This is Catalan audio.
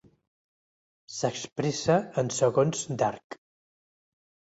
S'expressa en segons d'arc.